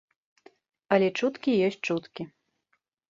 Але чуткі ёсць чуткі.